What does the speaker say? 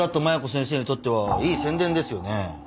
麻弥子先生にとってはいい宣伝ですよね。